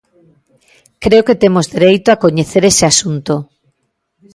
Creo que temos dereito a coñecer ese asunto.